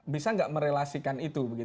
bisa nggak merelasikan itu